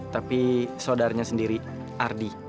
tapi saudarnya sendiri ardi